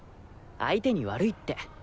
相手に悪いって！